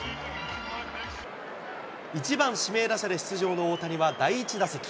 １番指名打者で出場の大谷は、第１打席。